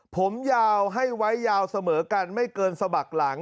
ผมยาวให้ไว้ยาวเสมอกันไม่เกินสมัครหลัง